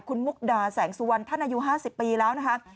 คุณมุกดาแสงสุวรรณท่านอายุ๕๐ปีแล้วนะคะ